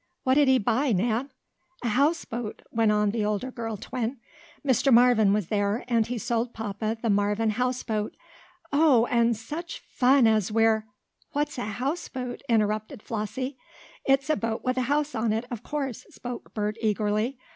"What'd he buy, Nan?" "A houseboat," went on the older girl twin. "Mr. Marvin was there, and he sold papa the Marvin houseboat. Oh! and such fun as we're " "What's a houseboat?" interrupted Flossie. "It's a boat with a house on it, of course," spoke Bert, eagerly.